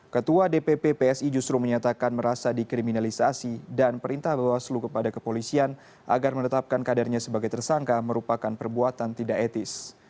ketua dpp psi justru menyatakan merasa dikriminalisasi dan perintah bawaslu kepada kepolisian agar menetapkan kadernya sebagai tersangka merupakan perbuatan tidak etis